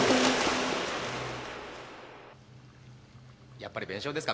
やっぱり弁償ですか。